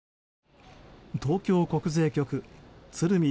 東京国税局鶴見